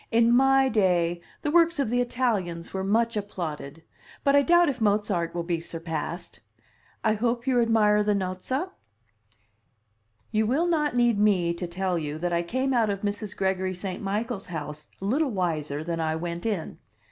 "In my day the works of the Italians were much applauded. But I doubt if Mozart will be surpassed. I hope you admire the Nozze?" You will not need me to tell you that I came out of Mrs. Gregory St. Michael's house little wiser than I went in.